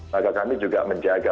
maka kami juga menjaga